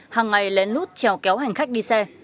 hàng ngày lén lút trèo kéo hành khách đi xe